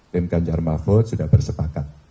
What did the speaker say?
tim ganjar mahfud sudah bersepakat